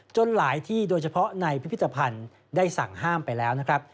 หลายที่โดยเฉพาะในพิพิธภัณฑ์ได้สั่งห้ามไปแล้วนะครับ